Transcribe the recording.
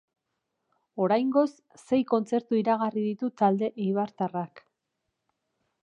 Oraingoz sei kontzertu iragarri ditu talde eibartarrak.